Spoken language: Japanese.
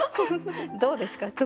どうですか？